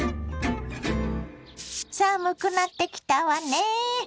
寒くなってきたわね。